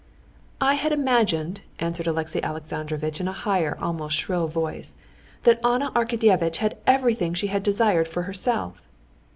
"I had imagined," answered Alexey Alexandrovitch in a higher, almost shrill voice, "that Anna Arkadyevna had everything she had desired for herself."